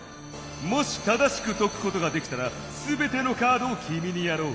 「もし正しくとくことができたらすべてのカードをキミにやろう。